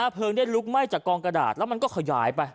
เพลิงได้ลุกไหม้จากกองกระดาษแล้วมันก็ขยายไป